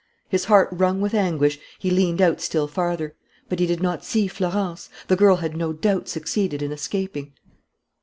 His heart wrung with anguish, he leaned out still farther. But he did not see Florence. The girl had no doubt succeeded in escaping.